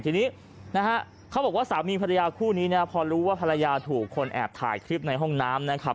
ทีนี้นะฮะเขาบอกว่าสามีภรรยาคู่นี้เนี่ยพอรู้ว่าภรรยาถูกคนแอบถ่ายคลิปในห้องน้ำนะครับ